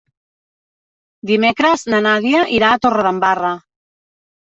Dimecres na Nàdia irà a Torredembarra.